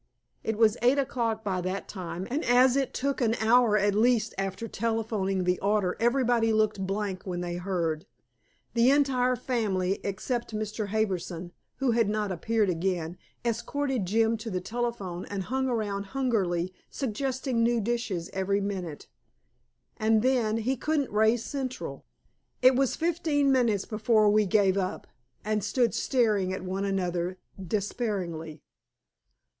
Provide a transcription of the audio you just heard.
It was eight o'clock by that time, and as it took an hour at least after telephoning the order, everybody looked blank when they heard. The entire family, except Mr. Harbison, who had not appeared again, escorted Jim to the telephone and hung around hungrily, suggesting new dishes every minute. And then he couldn't raise Central. It was fifteen minutes before we gave up, and stood staring at one another despairingly.